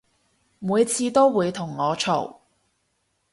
每次都會同我嘈